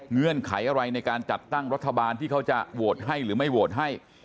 เงื่อนไขอะไรในการจัดตั้งรัฐบาลที่เขาจะโหวตให้หรือไม่โหวตให้